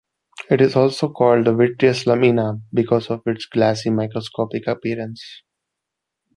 It is also called the "vitreous lamina", because of its glassy microscopic appearance.